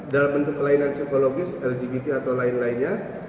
dalam bentuk kelainan psikologis lgbt atau lain lainnya